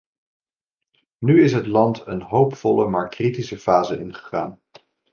Nu is het land een hoopvolle, maar kritische fase ingegaan.